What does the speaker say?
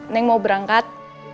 neng mau berangkat